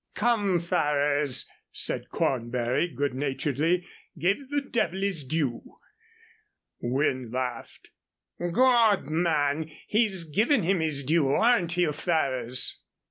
"Come, Ferrers," said Cornbury, good naturedly, "give the devil his due." Wynne laughed. "Gawd, man! he's givin' him his due. Aren't you, Ferrers?"